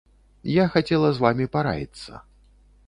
Я хацела з вамі параіцца.